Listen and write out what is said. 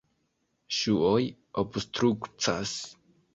Ŝuoj obstrukcas.